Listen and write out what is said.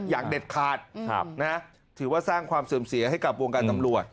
อย่างเด็ดขาดถือว่าสร้างความเสื่อมเสียให้กับวงการตำรวจ